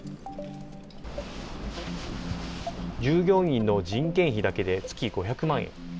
従業員の人件費だけで月５００万円。